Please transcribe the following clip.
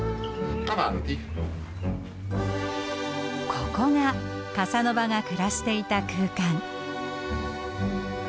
ここがカサノバが暮らしていた空間。